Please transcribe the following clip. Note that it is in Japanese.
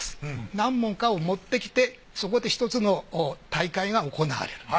何本かを持ってきてそこで一つの大会が行われる。